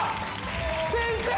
先生！